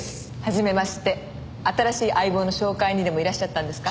新しい相棒の紹介にでもいらっしゃったんですか？